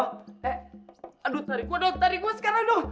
eh aduh tarik gue dong tarik gue sekarang dong